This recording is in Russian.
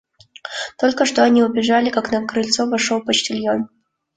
Только что они убежали, как на крыльцо вошел почтальон.